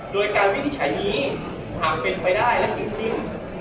โดยการวินิจฉัยนี้หากเป็นไปได้และเสร็จสิ้น